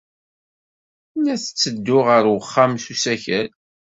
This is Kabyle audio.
La n-ttedduɣ ɣer uxxam s usakal.